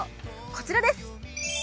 こちらです。